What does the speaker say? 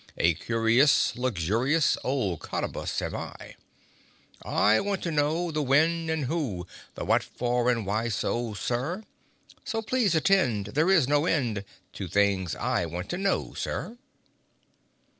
A curious, luxurious Old Cottabus am I! I want to know the When and who, The whatfor and whyso, Sir! So please attend, there is no end To things I want to know, Sir!"